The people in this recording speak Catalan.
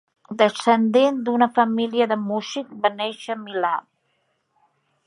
Descendent d'una família de músics, va néixer a Milà.